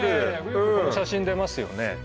よくこの写真出ますよね